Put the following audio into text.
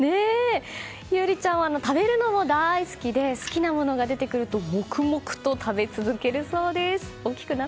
陽和ちゃんは食べるのも大好きで好きなものが出てくると黙々と食べ続けるそうです。